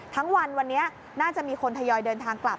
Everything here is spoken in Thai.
ทั้งวันวันนี้น่าจะมีคนทยอยเดินทางกลับ